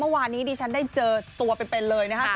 เมื่อวานนี้ดิฉันได้เจอตัวเป็นเลยนะครับ